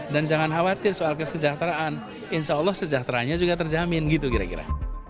dan jangan khawatir soal kesejahteraan insya allah sejahteraannya juga terjamin gitu kira kira